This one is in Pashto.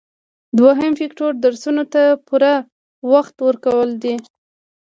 دوهم فکتور درسونو ته پوره وخت ورکول دي.